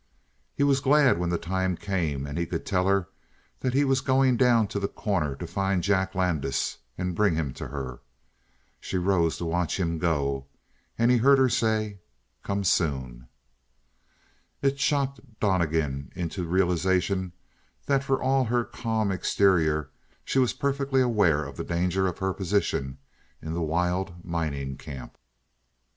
He was glad when the time came and he could tell her that he was going down to The Corner to find Jack Landis and bring him to her. She rose to watch him go and he heard her say "Come soon!" It shocked Donnegan into realization that for all her calm exterior she was perfectly aware of the danger of her position in the wild mining camp.